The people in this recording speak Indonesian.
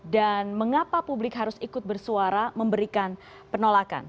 dan mengapa publik harus ikut bersuara memberikan penolakan